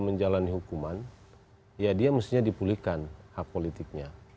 menjalani hukuman ya dia mestinya dipulihkan hak politiknya